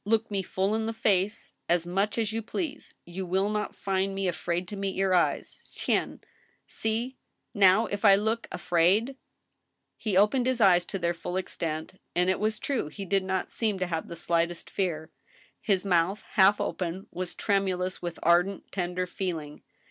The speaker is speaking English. Look me full in the face as much as you please, you will not find me afraid to meet your eyes. Tiens ; see, now, if I look' afraid 1" He opened his eyes to their full extent. And it was true he did not seem to have the slightest fear. His mouth, half open, was tremulous Mrith ardent, tender feeling.